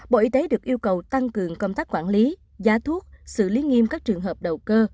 bộ y tế được yêu cầu tăng cường công tác quản lý giá thuốc xử lý nghiêm các trường hợp đầu cơ